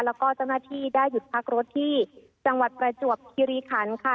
แล้วก็เจ้าหน้าที่ได้หยุดพักรถที่จังหวัดประจวบคิริคันค่ะ